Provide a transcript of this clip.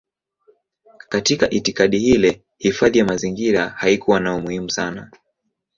Katika itikadi ile hifadhi ya mazingira haikuwa na umuhimu sana.